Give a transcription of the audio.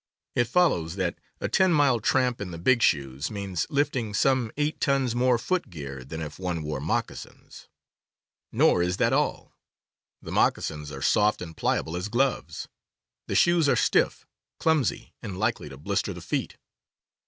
It follows that a ten mile tramp in the big shoes means lifting some eight tons more footgear than if one wore moc casins. Nor is that all. The moccasins are soft and pliable as gloves; the shoes are stiff, clumsy, and likely to blister the feet.